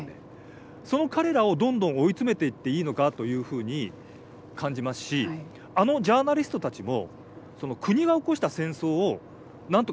その彼らをどんどん追い詰めていっていいのかというふうに感じますしあのジャーナリストたちも国が起こした戦争をなんとかしたい。